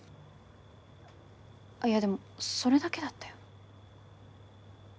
いやでもそれだけだったよ。